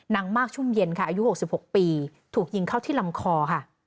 นางมากชุ่มเย็นค่ะอายุ๖๖ปีถูกยิงเข้าที่ลำคอค่ะ